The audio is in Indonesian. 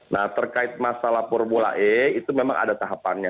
nah terkait masalah formula e itu memang ada tahapannya